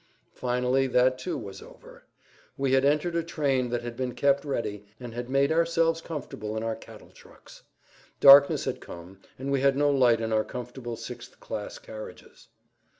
Finally that, too, was over. We had entered a train that had been kept ready, and had made ourselves comfortable in our cattle trucks. Darkness had come, and we had no light in our comfortable sixth class carriages.